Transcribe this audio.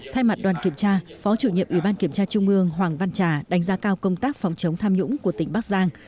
thay mặt đoàn kiểm tra phó chủ nhiệm ủy ban kiểm tra trung ương hoàng văn trà đánh giá cao công tác phòng chống tham nhũng của tỉnh bắc giang